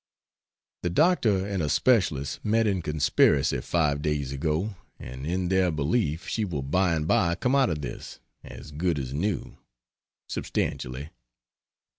The doctor and a specialist met in conspiracy five days ago, and in their belief she will by and by come out of this as good as new, substantially.